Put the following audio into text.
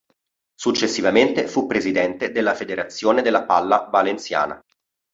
Successivamente fu presidente della Federazione della Palla valenciana.